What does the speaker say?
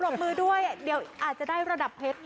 บมือด้วยเดี๋ยวอาจจะได้ระดับเพชร